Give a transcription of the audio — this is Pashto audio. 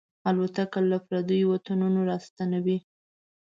الوتکه له پردیو وطنونو راستنوي.